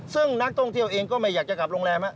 ซึ่งนักท่องเที่ยวเองก็ไม่อยากจะกลับโรงแรม